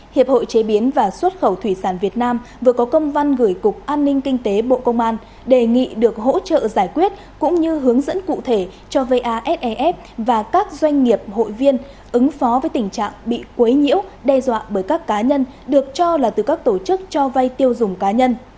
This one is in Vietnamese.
hiệp hội chế biến và xuất khẩu thủy sản việt nam vừa có công văn gửi cục an ninh kinh tế bộ công an đề nghị được hỗ trợ giải quyết cũng như hướng dẫn cụ thể cho vasef và các doanh nghiệp hội viên ứng phó với tình trạng bị quấy nhiêu đe dọa bởi các cá nhân được cho là từ các tổ chức cho vay tiêu dùng cá nhân